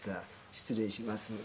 失礼します。